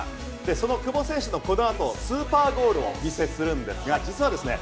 その久保選手のこのあとスーパーゴールをお見せするんですが実ははですね